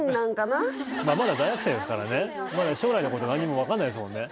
まあまだ大学生ですからねまだ将来のこと何にも分かんないですもんね